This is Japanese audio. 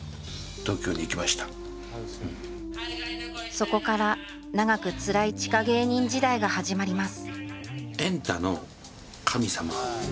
そこから長くつらい地下芸人時代が始まります